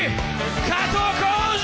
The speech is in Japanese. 加藤浩次！